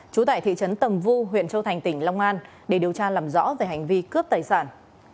trú tại thị trấn tầm vu huyện châu thành tỉnh long an để điều tra làm rõ về hành vi cướp tài sản